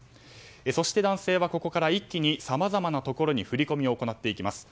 そして男性はここから一気にさまざまなところに振り込みを行っていきます。